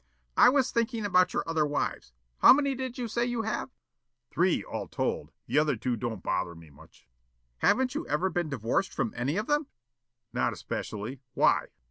"I was thinking about your other wives. How many did you say you have?" "Three, all told. The other two don't bother me much." "Haven't you ever been divorced from any of them?" "Not especially. Why?"